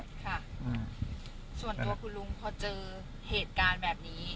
ค่ะส่วนตัวคุณลุงพอเจอเหตุการณ์แบบนี้